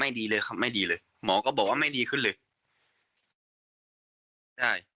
ไม่ดีเลยค่ะไม่ดีเลยหมอก็บอกว่าไม่ดีขึ้นเลย